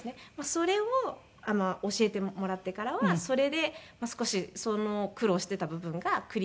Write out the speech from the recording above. それを教えてもらってからはそれで少し苦労していた部分がクリアになった部分はありますね。